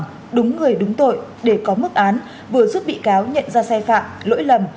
và đúng người đúng tội để có mức án vừa giúp bị cáo nhận ra sai phạm lỗi lầm